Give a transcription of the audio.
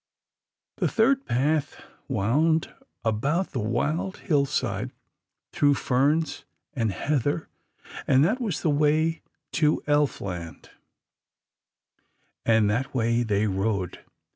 The third path wound about the wild hillside, through ferns and heather, and that was the way to Elfland, and that way they rode.